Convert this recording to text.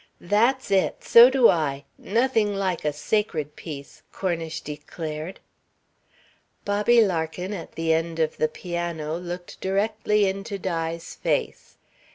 "That's it. So do I. Nothing like a nice sacred piece," Cornish declared. Bobby Larkin, at the end of the piano, looked directly into Di's face.